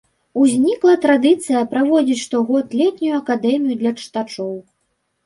Узнікла традыцыя праводзіць штогод летнюю акадэмію для чытачоў.